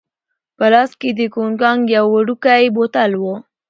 په لاس کې يې د کوګناک یو وړوکی بوتل وو.